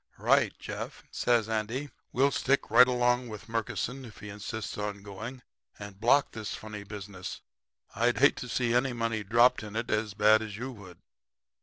"'Right, Jeff,' says Andy. 'We'll stick right along with Murkison if he insists on going and block this funny business. I'd hate to see any money dropped in it as bad as you would.'